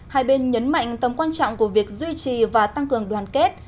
hai bên nhấn mạnh tầm quan trọng của việc duy trì và tăng cường đoàn kết